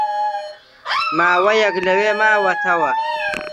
ماوەیەک لەوێ ماوەتەوە